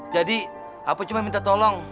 jadi apoi cuma minta tolong